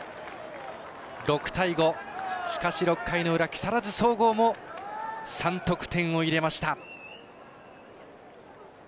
６対５、しかし６回の裏木更津総合も３得点入れました。